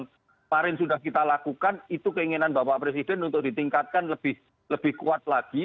kemarin sudah kita lakukan itu keinginan bapak presiden untuk ditingkatkan lebih kuat lagi